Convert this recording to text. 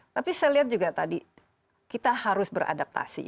tapi saya lihat juga tadi kita harus beradaptasi